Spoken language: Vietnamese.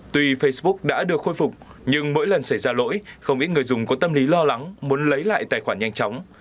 tuy facebook đã được khôi phục nhưng mỗi lần xảy ra lỗi không ít người dùng có tâm lý lo lắng muốn lấy lại tài khoản nhanh chóng